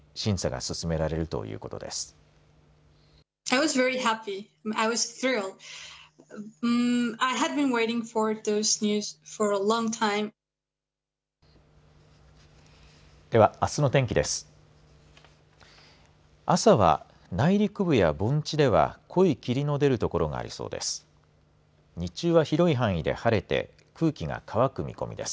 朝は内陸部や盆地では濃い霧の出る所がありそうです。